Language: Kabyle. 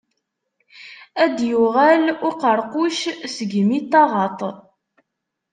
Ad d-yuɣal uqeṛquc seg imi n taɣaṭ.